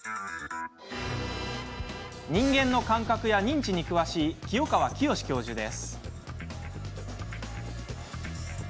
人間の感覚や認知に詳しい清川清教授です。